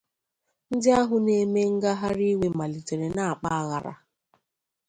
Ndị ahụ na-eme ngharị iwe malitere na-akpa aghara